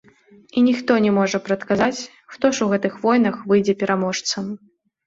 І ніхто не можа прадказаць, хто ж у гэтых войнах выйдзе пераможцам.